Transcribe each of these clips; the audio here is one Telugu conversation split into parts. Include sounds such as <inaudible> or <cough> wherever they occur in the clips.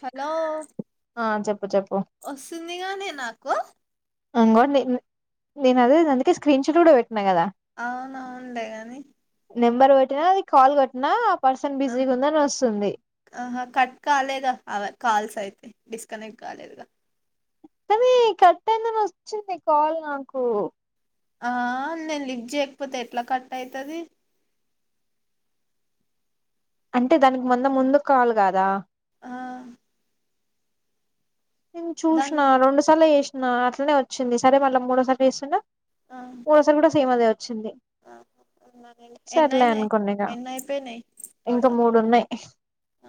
హలో ఆ చెప్పు చెప్పు వస్తుందిగానే నాకు అంగోని నేను అదే అందుకే స్క్రీన్ షాట్ కూడా పెట్టినా కదా అవునువును లే గాని నెంబర్ పెట్టినా అది కాల్ కోట్టినా ఆ ఆహా కట్ కాలేగా అవ కాల్స్ అయితే డిస్కనెక్ట్ కాలేదుగా <unintelligible> కట్ అయిందని వచ్చింది కాల్ నాకు ఆ నేను లిఫ్ట్ చేయకపోతే ఎట్లా కట్ అయితది అంటే దానికి మందు ముందు కాల్ కదా ఆ నేను దాన్ చూసిన రెండు సార్లు చేసినా అట్లనే వచ్చింది సరే మళ్ళ మూడోసారి చేస్తున్నా ఆ ఒగసారి కూడా సేమ్ అదే వచ్చింది అ ఎన్ని సర్లే అయినాయ్ అనుకున్నా ఇక ఎన్ని అయిపోయినయ్ ఇంకా టోటల్ మూడు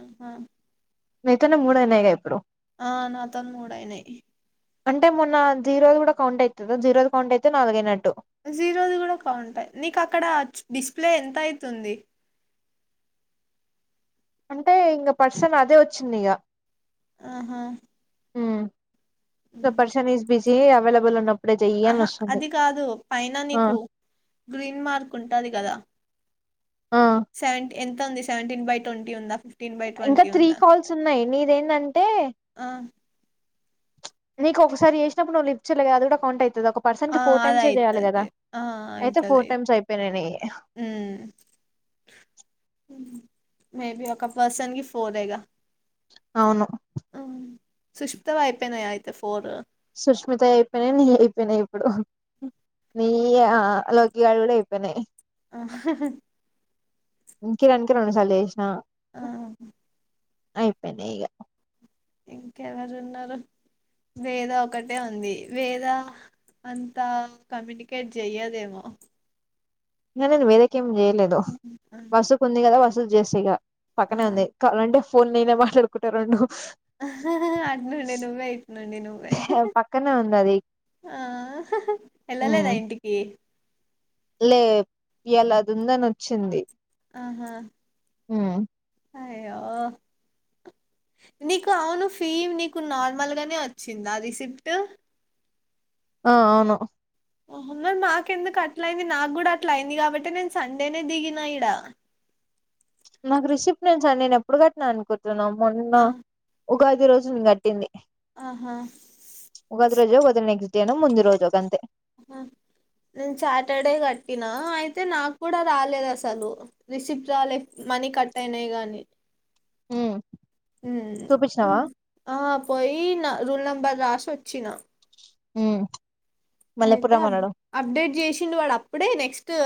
ఆహా మీతోనే మూడు అయినాయ్ గా ఇప్పుడు ఆ నా తోని మూడయినాయ్ అంటే మొన్న జీరో కూడా కౌంట్ అయితదా జీరో కౌంట్ అయితే నాలుగయినట్టు జీరోది కూడా కౌంట్ ఆ నీకు అక్కడ డిస్ప్లే ఎంత అయితుంది అంటే ఇంక పర్సన్ అదే వచ్చింది ఇగ ఆహా the person is is busy available అనప్ ఆహా అది కాదు పైన ఆ నీకు గ్రీన్ మార్క్ ఉంటాది కదా ఆ సెవెంటి ఎంత్ ఎంత ఉంది సెవంటటీన్ బై ట్వంటీ ఉందా ఇంకా త్రీ ఉందా? కాల్స్ ఉన్నాయి నీదేందంటే ఆ! నీకు ఒకసారి చేసినప్పుడు నువ్వు లిఫ్ట్ చేయలేకదా అది కూడా కౌంట్ అయి తది ఒక పర్సన్ ఆ! కి ఫోర్ అది టైమ్స్ చెయాలి అయితది. కదా ఆ! అయితే అయితది ఫోర్ అయితది. టైమ్స్ అయిపోయినాయి నివి హ్మ్ మేబి ఒక పర్సన్ కి ఫోర్ ఎగా అవును ఆ సుష్మితవి అయిపోయినాయ అయితే ఫోర్ సుస్మితవి అయిపోయినాయి నీవి అయిపోయినాయి ఇప్పుడు నీయ లోకిగాడి కూడా అయిపోయినాయ్ ఆ ఇం కిరణ్ కి రెండు సార్లు చేసిన ఆ అయిపోయినయ్ ఇగా ఇంకెవరు ఉన్నారు వేద ఒకటే ఉంది వేద అంతా కమ్యూనికేట్ చెయ్యదేమో నేను వేదకి ఏం చేయలేదు ఆ! వసుకు ఉంది కదా వసుకు చేస్తా ఇగ ఆ! పక్కనే ఉంది కావాలా అంటే ఫోన్ నేనే మాట్లాడుకుంటా రెండు అటు నుండి నువ్వే ఇటు నుండి నువ్వే పక్కనే ఉంది అది ఆ ఉమ్ ఎల్లలేదా ఇంటికి లే ఇయాల అది ఉందని వచ్చింది ఆహా హ్మ్ అయ్యో నీకు అవును ఫీ నీకు నార్మల్ గానే వచ్చిందా రిసిప్ట్ ఆ అవును హ మరి మాకెందుకు అట్లా అయింది నాకు కూడా అట్లా అయింది కాబట్టి నేను సండేనే దిగిన ఇడ నాకు రిసిప్ట్ నేనుంచ నేను ఎప్పుడు కట్టినాను అనుకుంటున్నా మొన్న ఆ ఉగాది రోజు కట్టింది ఆహా రోజ వద నెక్స్ట్ డను ను ముందు రజ అంత హ నేను సాటర్డే కట్టినా అయితే నాక్కూడా రాలేదు అసలు రిసిప్ట్ రాలె మనీ కట్టయినయి గానీ హ్మ్. ఉం ఉ చూపించినావా ఆ పోయీ నా రూల నం బర్ రాసి వచ్చిన ఊం అయితే అప్ అప్డేట్ చేసిండు వాడు అప్పుడే నెక్ట్సు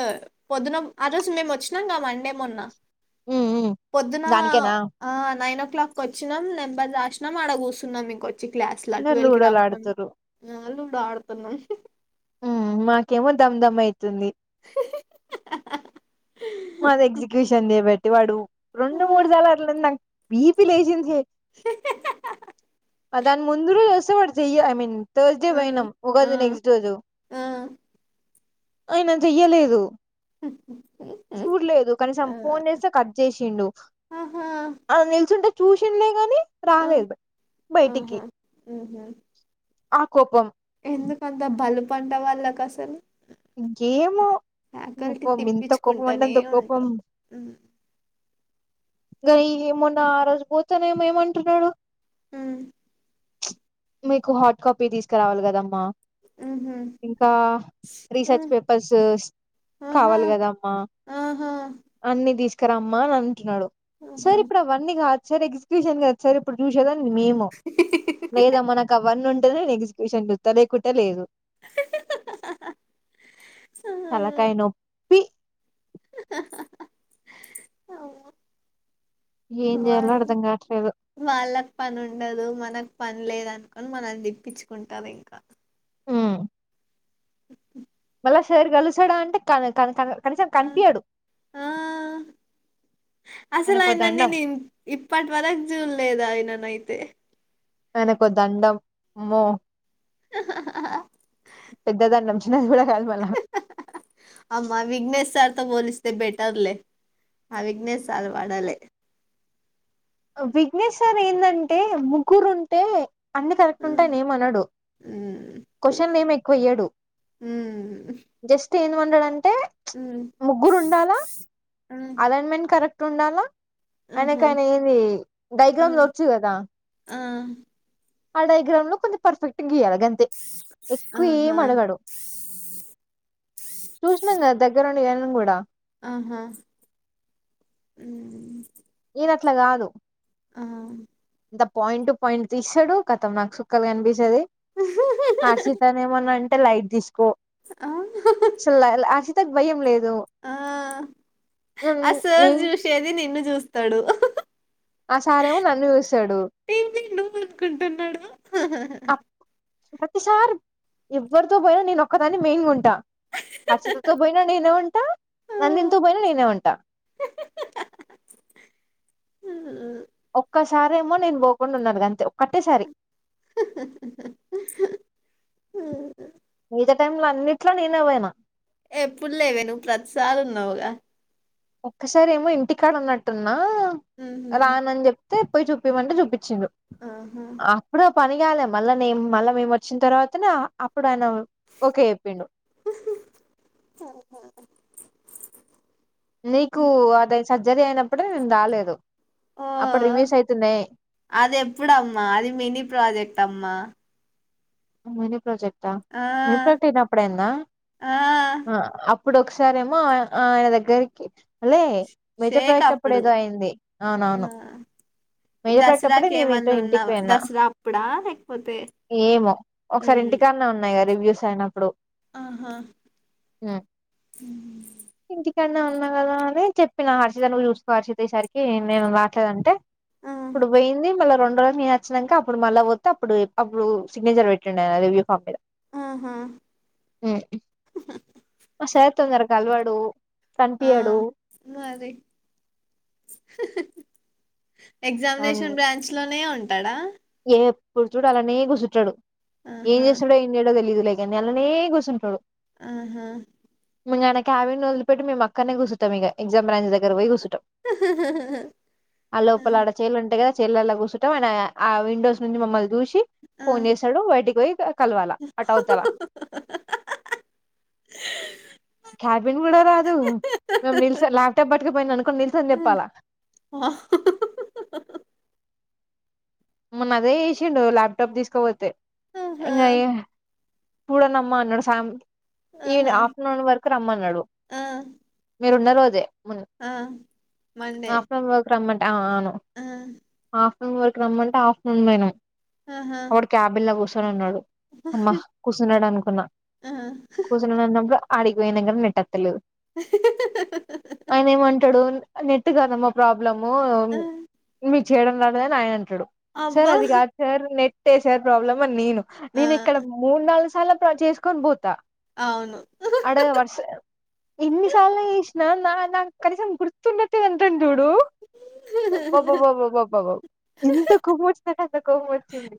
పొద్దున ఆ రోజు మేము వచ్చినాంగా మండే మొన్న హ్మ్. హ్మ్. పొద్దున దానికేనా ఆ నైనొక్లాక్కొచ్చినాం నెంబర్ రాసి నం ఆడ గూస్సున్నాం ఇంకొచ్చి క్లాస్లా అందరు ట్వెల్కి లూడోలు రామన్న ఆడుతురు లూడో ఆడుతున్నాం ఉం మాకేమో దమ్దమ్ అయితుంది మాది ఎగ్జిక్యూషన్ చేయబట్టి వాడు రెండు మూడు ఆ, సార్లు అట్ల నాకు బీపి లేజిందె అ దాన్ముందురొజ్ జు చేయరు ఐమీన్ త్ర్సడై పోయినాం ఆ, ఉగాది నెక్స్ట్ రోజు ఆ. అయిన జెయ్యలేదు ఉ ఉం చూడ్లేదు కనీసం ఫోన్ జేస్తే కట్ చేసిండు ఆహా, అ నిల్చుంటె చూసిండే గాని ఆ, రాలేదు బైటికి ఆహా, మ్హూ. ఆ కోపం ఎందుకంత బలుపంట వాళ్ళకసలు ఇంకేమో ఇంత కోపం అంటె తిప్పించుకుంటూనే అంత కోపం ఉంటారు మ్, గయీ ఏమొన్నా ఆ రోజు పోతెనేమొ ఏమంటున్నాడు ఊం మీకు హార్డ్ కాపీ తీస్కురావాలి కదమ్మా మ్హూ, ఇంకా రీసెర్చ్ మ్, పేపర్స్స ఆహా, కావాలి గదమ్మా ఆహా, అన్ని దీస్ కరమ్మా అని అంటునాడు సర్ ఆహా. ఇప్పుడు అవన్నీ గాద్సర్ ఎగ్సక్యూషన్ గాద్సర్ ఇప్పుడు చూశెదా మేము మేళామనకు అవన్నుం దల్లీ ఎగ్జిక్యూషన్ బిస్త లేకుంట లేదు తలకాయ నొప్పి అవ్వ ఏం చేయాలో వాల్ల అర్థం కావట్లేదు వాళ్ళక్ పనుండదు మన పన్లేదన్కుని మనల్ని దిప్పిచ్చకుంటారు ఇంకా ఉమ్. ఒకా స్సారి గలిసాడా అంటే కన కన కన కనిసం ఆ కన్పియ్యడు ఆ, అసలు ఆయన ని నేను ఇప్పటి వరకు చూలేదు ఆయనయి <inaudible> తనకో దండం అమ్మో హా హా హా హా పెద్దదనం చినది కూడా కాదు మళ్ళ అమా విఘ్నేస్ సార్ తో పోలిస్తే బెటర్లే ఆ విగ్నేశాలు వాడాలే విఘ్నేసర్ ఏందంటే ముగ్గురు ఉంటే అన్ని కరెక్ట్ ఉంటే ఆయన ఏమనాడు క్వశ్చన్లు ఏం ఎక్కువేయ్యాడు ఊ ఉ సీన్ వండుడంటే ముగ్గురు ఉండాలా అలైన్మెంట్ కరెక్ట్ ఉండాలా. ఐనకైన ఏంది డైగ్రామ్ లు ఒచ్చు కదా. ఆ ఆ డయాగ్రామ్ ను కొంచం పర్ఫెక్ట్ గీయాల. గంతే ఎక్కువ ఆహా ఏమి అడగడు. చూసినాంగదా దగ్గర నుంచే మెఎళ్ళం గూడా ఆహా ఉమ్మ్ ది అట్ల కాదు ఆ ఇంత పాయింటు పాయింటు తీసాడు కతం నాకు సుక్కలు కనిపించేది హర్షితనే ఏమన్నాంటే లైట్ తీసుకో ఆ అసల్ ఆ అశితకు భయం లేదు ఆ నే సార్ చూసేది నిన్ను చూస్తాడు ఆ సారేమో నన్ను చూస్తాడు ఏంది నువ్వు అనుకుంటున్నాడు ప్రతిసారి ఎవ్వరితో పోయినా నేను ఒక్కదాన్ని మెయిన్ ఉంట హర్షితతో పోయినా నేనే ఉంట నందిన్తో పోయినా నేనే ఉంటా ఆ మ్మ్ ఒక్కసారేమో నేను పోకుండ ఉన్నాను గంతే ఒక్కటేసారి మిగిత టైమ్ లో అన్నిట్లో నేనే పోయిన ఏ ఎప్పుడుల్లేవే నువ్వు ప్రతిసారి ఉన్నవుగ ఒక్కసారి ఏమో ఇంటి కాడఉన్నట్టున్నా రానని జెప్తే పోయి చూపిమంటే చూపి చిండు ఆహా అప్పుడే పని కాలే మళ్ళా నే మళ్ళా మేము వచ్చిన తర్వాతనే ఆ అప్ ఇప్పుడన్నావు ఓకే ఎప్పిండు నీకు అదే సర్జరీ అయినప్పుడే నేను రాలేదు ఓ అప్పుడు రివ్యూస్ అయితు అది ఎప్పుడమ్మా అది మినీ ప్రాజెక్ట్ అమ్మా మినీ ప్రాజెక్ట్ ఆ మిన్ ప్రాజెక్ట్ అప్పుడు అయ్యిందా ఆ ఆ అప్ ఇప్పుడు ఒకసారేమో ఆ ఆయన దగ్గరికి లే మేజర్ షేక్ ప్రాజెక్ట్ అప్పుడు అప్పుడేదో అయింది ఆ అవునవును మేజర్ ప్రాజెక్ట్ అప్పుడే దసరాకి నేను నీతో ఏమన్నా ఉన్నా ఇంటికి పోయిన దసరా అప్పుడా లేకపోతే ఏమో ఒకసారి ఉమ్, ఇంటికాన్నే ఉన్నయ్ గ రివ్యూస్ అయినప్పుడు ఆహా ఇక్కన్నే ఉన్నా కదా అని చెప్పినా హర్షిత నువ్వు చూసుకో హర్షిత ఈ సరికి నేను రావట్లేదంటె ఆ ఇప్పుడు పోయింది మళ్ళ రెండు రోజులు నేను అచ్చినంక అప్పుడు మళ్ళ పోతే అప్పుడు అప్పుడు సిగ్నేచర్ పెట్ పెట్టిండా రివ్యూ ఫామ్ మీద ఆహా హ్మ్ అ సార్ తొందర కలవడు కనిపియడు ఆ.. మరి అండ్ ఎగ్జామినేషన్ బ్రాంచ్ లోనే ఉంటడా ఎప్పుడు చూడు అలానే కూర్చుంటాడు ఏం ఆహా చేస్తడో ఏం చేయడో తెలిదులే గాని అల్లాన్నే కూర్చుంటాడు. ఆహా మెమ్ గాడ కేవెన్ వదిలిపెట్టి మేము అక్కనే కూసుంటమిగ ఎగ్జామ్ బ్రాంచ్ దగ్గ పోయి కూస్ ట ఆ లోపల ఆడ చేలు ఉంటయి కద చెల్లలా కుసుంటం ఆయన ఆ విండోస్ నుంచి మమ్మల్ని చూసి ఆ ఫోన్ చేస్తడు బయటికి పోయి కల్వాల అటవ్తలా క్యాబిన్ గూడ రాదు మేము నిల్సో ల్యాప్టాప్ పట్టుకుపోయిననుకో నిల్సోని చెప్పాలా ఆ హా హా హా హా మొన్న అదే చేసిండు ల్యాప్టాప్ తీస్కోపోతే ఆహా ఇంగ అయె చూడండమ్మ అన్నాడు సామ్ ఈవ్ ఆహా ఆఫ్టర్నూన్ వరకు రమ్మన్నాడు ఆ మీరు ఉన్న రోజె మొన్న ఆ మండే ఆఫ్టర్నూన్ వరకు రమ్మన్ ఆ అవును ఆ ఆఫ్టర్నూన్ వరకు రమ్మంటే ఆఫ్టర్నూన్ పోయినం ఆహా వాడు క్యాబిన్ల కూసోని ఉన్నాడు అమ్మా సున్నడనుకున్నా ఆ కూసున్నడన్నప్పుడు ఆడికిపోయిన గాని నెట్టేత్తలేదు. ఆయన ఏమంటడు నెట్ కాదమ్మా ప్రాబ్ బ్లము ఆ, మీకు చేయడం రాదని ఆయన అంటడు సార్ అబ్బా అది కాదు సార్ నెట్ నెట్టే సార్ ప్రాబ్లమ్ అని నేను ఆ నేను ఇక్కడ మూడు నాలుగు సార్లు చేస్కొని బోతా అవును అడెదోవర్సె ఇన్ని సార్లు చేస్ న న నా కనీసం గుర్తున్నట్టే అంటం జూడు హ అబ్బబ్బబ్బ్బ్బ్ బౌ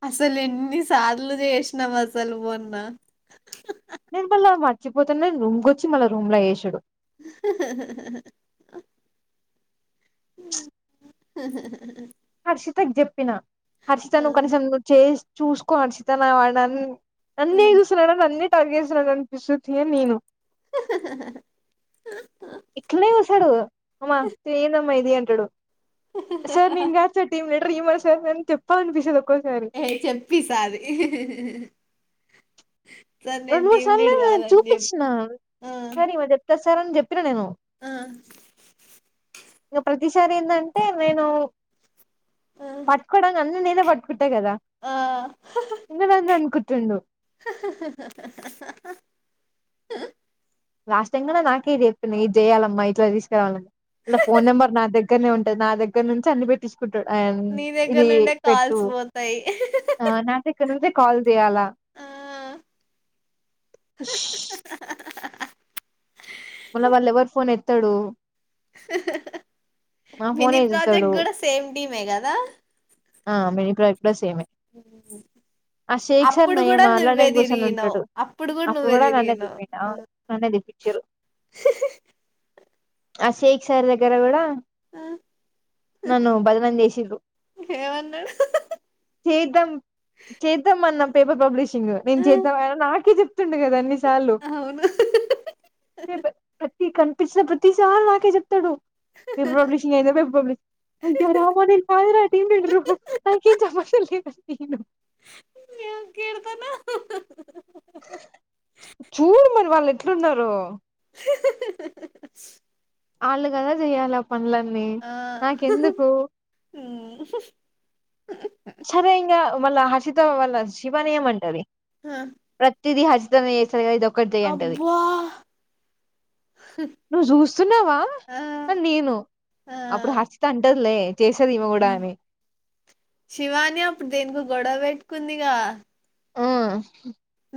అస్సలు ఎన్ని సార్లు చేసినాం అస్సలు వ న నేను మళ్ళా మర్చిపోతనే రూమ్కి వచ్చి మళ్ళా రూమ్ లో వేసాడు అహహా హహహ హర్షితకు చెప్పినా హర్షిత నువ్వు కనీసం నువ్వు చే చూసుకో హర్షిత నా వాని అన్ని చూస్తున్న కానీ అన్ని టార్గెట్ చేస్తున్న అనిపిస్తుంది నేను ఇట్లనె చూస్తాడు అమ్మా త ఏనామ్మైది హుహహ <inaudible> ఏ చెప్పిసది హీహీహే రెండు మూడు సార్లు చెప్పు చూపించిన ఆ సార్ ఈమచెప్తాది సార్ అని చెప్పినా నేను ఆ ఇంక ప్రతిసారి ఏంటంటే నేను ఆ పట్టుకోవడానికి అన్ని నద పట్టుకుంట అంతే కదా ఇన్నంద అనుకుంటుండు హహహ హ లాస్ట్టమ్ నాకే చెప్పింది ఇది చేయాలమ్మా ఇట్లా తీసుకురావాల అలా ఫోన్ నెంబర్ నా దగ్గరనే ఉంటది నా దగ్గర నుంచి అన్ని పెట్టిస్త నీ దగ్గర ఇది నుండే పెట్టు కాల్స్ పోతాయి ఆ నా ఇక్కడి నుంచి కాల్ చేయాల ఆ ఏత్తడు మినీ ఫోనే ప్రాజెక్ట్ ఎత్తుతాడు కూడా సేమ్ టీమ్ ఏ కదా ఆ మినీ ప్రాజెక్ట్ కూడా సేమే హ్మ్మ్ ఆ షేక్ సార్ నయమూ హాల్లోనే కూర్చొని తిరిగినవ్ ఉంటాడు అప్పుడు నువ్వే కూడా నన్నే తిరిగినవ్ తింటిండు పిచురు హేహీ ఆ షేక్ సార్ దగ్గరా కూడా నన్ను బాదలం చేసిరు ఏమన్నాడు చేదం చేదమ అన్నాం పేపర్ పబ్లిషింగ్ నేను చేద్దాం నాకే చెప్పిండు కదా అన్ని సార్లు అవును ఈ కనిపించిన ప్రతిసారి నాకే చెప్తాడు ఫ పబ్లిష ప రా <unintelligible> నాకేం సంబంధం లేదు కీర్తన హహహ చూడు మరి వాళ్ళు ఎట్లున్నారు హెహెహేహీ వాళ్ళు కదా చెయాలి ఆ పనులన్నీ ఆ నాకెందుకు సస మళ్ళ హర్షిత వల్ల శివాని ఏం అంటది ప్రతిదీ హర్షిత చేస్తది ఏదో ఒకటి చే అంటది అబ్బా నువ్వు చూస్తున్నావా ఆ అ నేను ఆ అప్పుడు హర్షిత అంటదిలే చేస్తది ఇమె కూడా ఆమె శివాని అప్పుడు దేనికో గొడవ పెట్టుకుందిగా ఆ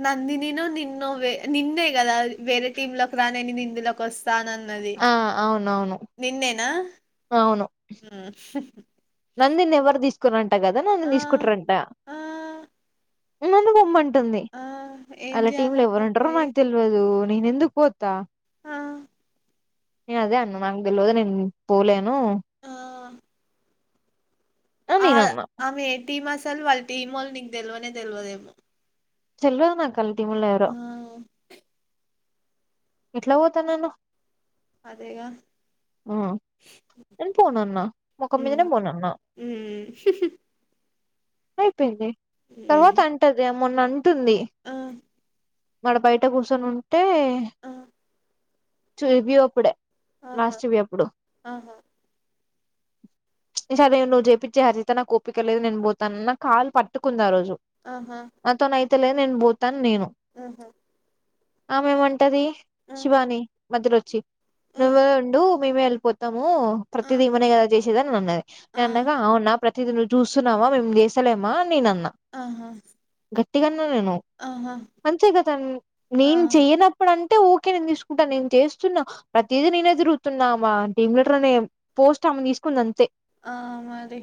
నందినిేను నిన్ను నిన్నే కదా వేరే టీమ్ లోకి రానే నేను ఇందులోకి వస్త రానుఅన్నది ఆ అవునవును నిన్నే నా అవును నందిని ఎవరు తీసుకోరుఅంట కదా నన్ను ఆ తీసుకుంటారుఅంట ఆ నన్ను పోమంటుంది ఆ ఏం వాళ్ళ టీమ్ లో చేయాలంట ఎవరు పోయి ఉంటారో తెలీదు ఎలా పోతా ఆ నే అదే అన్న నాకు తెల్వదు నేన్ పోలేను. ఆ అని ఆ నేను అన్నా ఆమె ఏ టీం అసల్ వాళ్ళ టీమోళ్ళు నీకు తెల్వనే తెల్వదేమో తేల్వదు నాక్వాళ్ళ టిమోల్ ఎవరో ఎట్ల పోతన్నాను. అదేగా మ్ నేన్ పోనన్నా మొకం మీదనే ఉమ్ పోనన్నా ఉమ్ అయిపోయింది తర్వాత ఉమ్ అంటది మొన్న అం ఆ గాడ బయట కూసోనుంటే ఆ, చూపి వి అప్పుడే ఆహా లాస్ట్ వి అప్పుడు ఆహా ఈ సారి నువ్వు చేపిచ్చెయ్ హరిత నాకోపికలేదు నేను పోతాన్న కాలు పట్టుకుంద్ ఆ రోజు ఆహా నాతోనైతలేదు నేను పోతా అని నేను ఆహా ఆమెమంటది ఆ శివాని మధ్యలోచ్చి ఆ నువ్వే ఉండు మేమే వెళ్ళిపోతాం. ము ఆ, ప్రతిదీఈమెనే కద చేసేదనన్నది నేను ఆ, అన్నగా ప్రతి తిది నువ్వు చూస్తున్నావా మేము చేస్తలేమా అని నేనన్ ఆహా! న్నానేను ఆహా మంచే గదా ఆ నేను చెయనప్పుడు అం దుకే నేను తీసుకుంటా నేను చేస్తున్నా ప్రతిదీ నేనే తిరుగుతున్నా మా టీమ్ లీడర్ అనే పోస్ట్ ఆమెని కుందంతే ఆ మరి